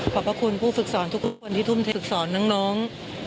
ขอบพระคุณผู้ศึกษรทุกคนที่ทุ่มธรรมศึกษรน้อง